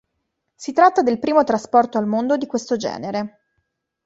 Si tratta del primo trasporto al mondo di questo genere.